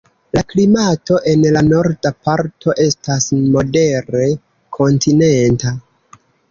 La klimato en la norda parto estas modere kontinenta.